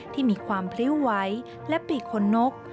ที่มีความพลิ้วไหวและปีกคนนก